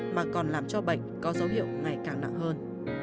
mà còn làm cho bệnh có dấu hiệu ngày càng nặng hơn